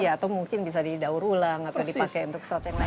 atau mungkin bisa didaur ulang atau dipakai untuk sesuatu yang lain